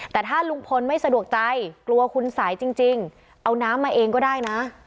แต่ถ้าลุงพลไม่สะดวกใจกลัวคุณสายจริงเอาน้ำมาเองก็ได้นะ